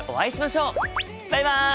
バイバイ！